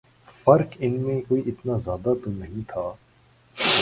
فرق ان میں کوئی اتنا زیادہ تو نہیں تھا